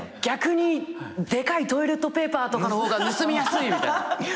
逆にでかいトイレットペーパーとかの方が盗みやすいみたいな。